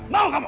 mau gak mau